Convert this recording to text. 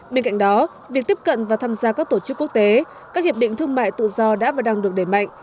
bên cạnh đó việc tiếp cận và tham gia các tổ chức quốc tế các hiệp định thương mại tự do đã và đang được đẩy mạnh